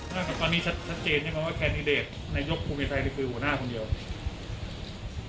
กับตอนนี้ชัดเจนใช่ไหมว่าแคนดิเดตนายกภูมิใจนี่คือหัวหน้าคนเดียว